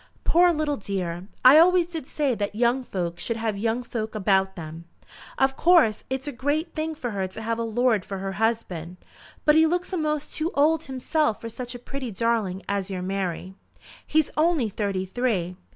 "Poor little dear! I always did say that young folk should have young folk about 'em. Of course it's a great thing for her to have a lord for her husband. But he looks a'most too old himself for such a pretty darling as your Mary." "He's only thirty three."